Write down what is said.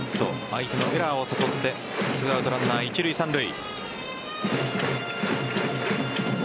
相手のエラーを誘って２アウトランナー一塁・三塁。